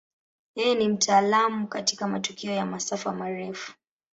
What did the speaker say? Yeye ni mtaalamu katika matukio ya masafa marefu.